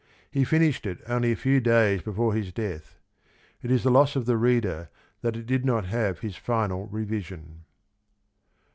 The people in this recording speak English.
He finished it only a few days before his death. It is the loss of the reader that it did not have his final revision.